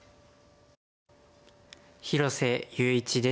広瀬優一です。